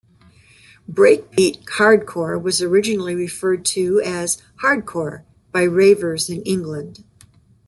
Breakbeat hardcore was originally referred to as "hardcore" by ravers in England.